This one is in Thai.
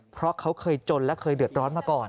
เพราะเขาเคยจนและเคยเดือดร้อนมาก่อน